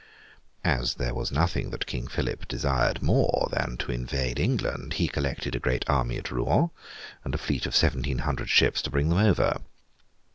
As there was nothing that King Philip desired more than to invade England, he collected a great army at Rouen, and a fleet of seventeen hundred ships to bring them over.